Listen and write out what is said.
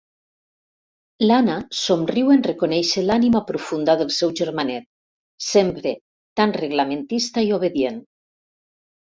L'Anna somriu en reconèixer l'ànima profunda del seu germanet, sempre tan reglamentista i obedient.